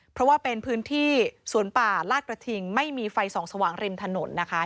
เพราะว่าเป็นพื้นที่สวนป่าลาดกระทิงไม่มีไฟส่องสว่างริมถนนนะคะ